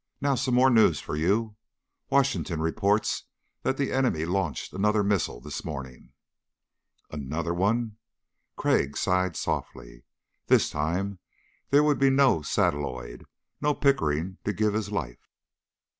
Now, some more news for you. Washington reports that the enemy launched another missile this morning." "Another one?" Crag sighed softly. This time there would be no satelloid, no Pickering to give his life.